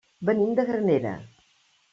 Venim de Granera.